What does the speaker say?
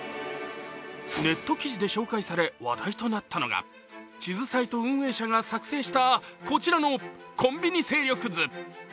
ネット記事で紹介され話題となったのが地図サイト運営者が撮影したこちらのコンビニ勢力図。